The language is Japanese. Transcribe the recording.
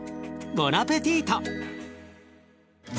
ボナペティート！